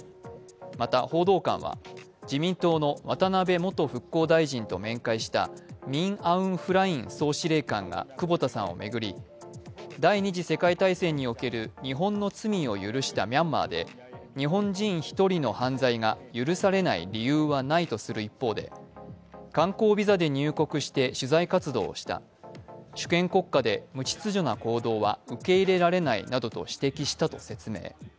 また報道官は自民党の渡辺元復興大臣と面会したミン・アウン・フライン総司令官が久保田さんを巡り、第二次世界大戦における日本の罪を許したミャンマーで、日本人１人の犯罪が許されない理由はないとする一方で観光ビザで入国して取材活動をした、主権国家で無秩序な行動は受け入れられないなどと指摘したと説明。